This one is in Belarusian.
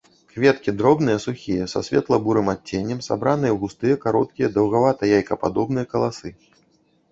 Кветкі дробныя сухія са светла-бурым адценнем, сабраныя ў густыя кароткія даўгавата-яйкападобныя каласы.